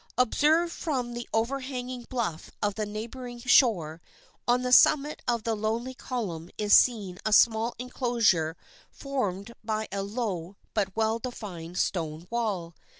Observed from the overhanging bluff of the neighboring shore, on the summit of the lonely column is seen a small enclosure formed by a low but well defined stone wall.